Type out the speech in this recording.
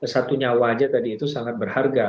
satu nyawa aja tadi itu sangat berharga